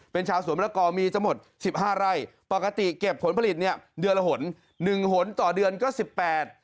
เป็นชาวสวนมะละกอมีจะหมดสิบห้าไร่ปกติเก็บผลผลิตเนี่ยเดือนละหนหนึ่งหนต่อเดือนก็สิบแปด